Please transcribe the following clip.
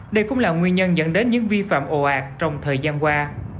đây cũng là nguyên nhân dẫn đến những vi phạm ồ ạt trong thời gian qua